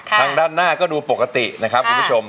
ทางด้านหน้าก็ดูปกตินะครับคุณผู้ชม